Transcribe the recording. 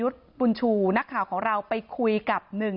ออฟฟิศโดนไล่ที่ให้ย้ายออกไปแล้ว